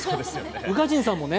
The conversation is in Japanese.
宇賀神さんもね。